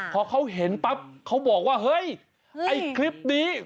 พอเขาเห็นปั๊บเขาบอกว่าเฮ้ยไอ้คลิปนี้